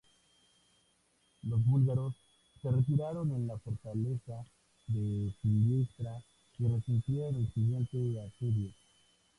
Los búlgaros se retiraron a la fortaleza de Silistra y resistieron el siguiente asedio.